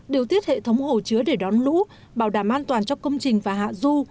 điều tiết hệ thống hồ chứa để đón lũ bảo đảm an toàn cho công trình và hạ du